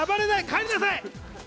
帰りなさい！